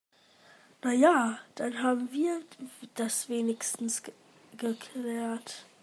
Na ja, dann haben wir das wenigstens geklärt.